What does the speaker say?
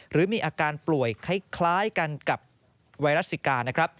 หรือมีอาการป่วยคล้ายกันกับไวรัสสิกานะครับ